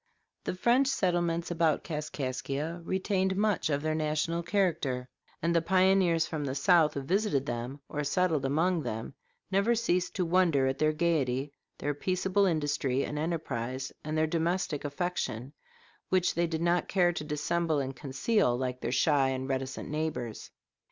The French settlements about Kaskaskia retained much of their national character, and the pioneers from the South who visited them or settled among them never ceased to wonder at their gayety, their peaceable industry and enterprise, and their domestic affection, which they did not care to dissemble and conceal like their shy and reticent neighbors.